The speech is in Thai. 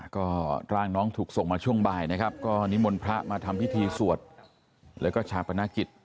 ก็ร่างน้องถูกส่งมาช่วงบ่ายนะครับก็นิมนต์พระมาทำพิธีสวดแล้วก็ชาปนกิจ